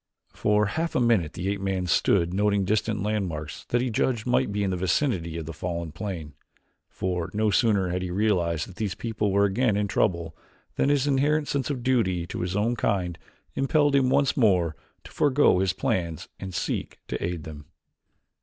For half a minute the ape man stood noting distant landmarks that he judged might be in the vicinity of the fallen plane, for no sooner had he realized that these people were again in trouble than his inherent sense of duty to his own kind impelled him once more to forego his plans and seek to aid them.